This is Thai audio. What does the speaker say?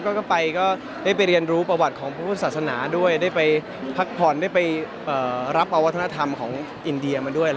ก็ไปก็ได้ไปเรียนรู้ประวัติของพระพุทธศาสนาด้วยได้ไปพักผ่อนได้ไปรับเอาวัฒนธรรมของอินเดียมาด้วย